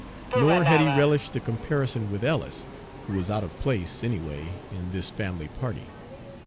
Nor had he relished the comparison with Ellis, who was out of place, anyway, in this family party.